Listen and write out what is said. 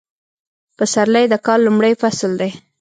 پسرلی د کال لومړی فصل دی